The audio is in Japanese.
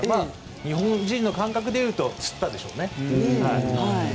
日本人の感覚でいうとつったでしょうね。